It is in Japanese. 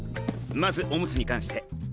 まずおむつに関して。